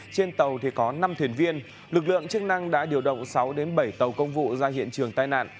trên tàu có năm thuyền viên lực lượng chức năng đã điều động sáu đến bảy tàu công vụ ra hiện trường tai nạn